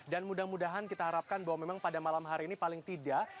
dan mudah mudahan kita harapkan bahwa memang pada malam hari ini paling tidak